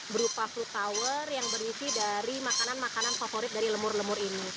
berupa flu tower yang berisi dari makanan makanan favorit dari lemur lemur ini